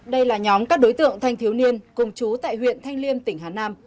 đây là nhóm các đối tượng thanh thiếu niên cùng chú tại huyện thanh liêm tỉnh hà nam